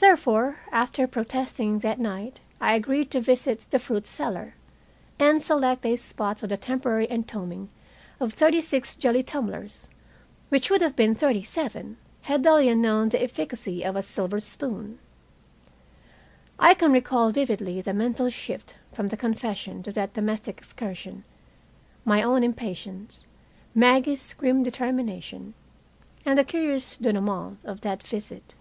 Therefore, after much protesting that night, I agreed to visit the fruit cellar, and select a spot for the temporary entombing of thirty six jelly tumblers, which would have been thirty seven had Delia known the efficacy of a silver spoon. I can recall vividly the mental shift from the confession to that domestic excursion, my own impatience, Maggie's grim determination, and the curious denouement of that visit.